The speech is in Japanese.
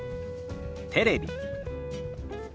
「テレビ」。